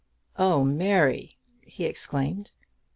"Oh, Mary!" he exclaimed.